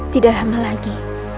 tidak lama lagi